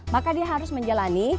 maka dia harus menjalani